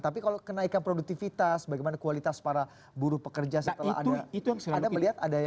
tapi kalau kenaikan produktivitas bagaimana kualitas para buruh pekerja setelah ada